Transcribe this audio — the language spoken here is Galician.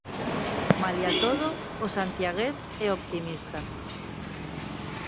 Malia todo, o santiagués é optimista.